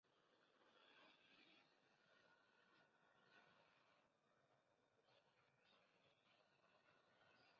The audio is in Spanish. La propia autora de la obra apoya la traducción de Smith.